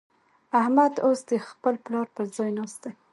احمد اوس د خپل پلار پر ځای ناست دی.